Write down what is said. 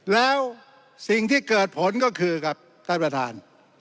แล้วสิ่งที่เกิดผลก็คือครับท่านประธาน